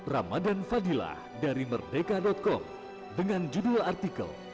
ramadan fadilah dari merdeka com dengan judul artikel